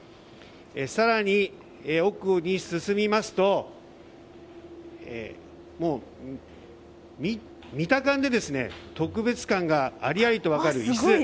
更に奥に進みますと、見た感じ特別感がありありと分かる椅子。